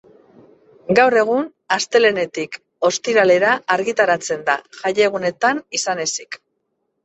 Gaur egun, astelehenetik ostiralera argitaratzen da, jaiegunetan izan ezik.